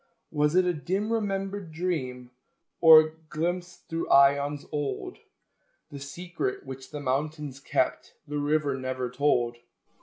Was it a dim remembered dream? Or glimpse through aeons old? The secret which the mountains kept The river never told.